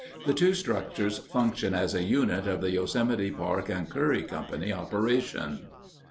The two structures function as a unit of the Yosemite Park and Curry Company operation.